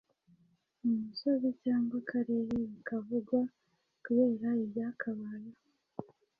umusozi cyangwa akarere bikavugwa kubera ibyakabayeho